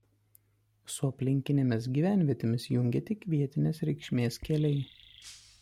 Su aplinkinėmis gyvenvietėmis jungia tik vietinės reikšmės keliai.